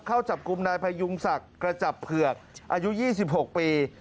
เข้าจับกลุ่มนายพยุงศักดิ์กระจับเผือกอายุ๒๖ปี